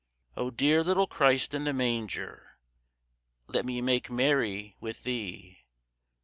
O dear little Christ in the manger, Let me make merry with thee.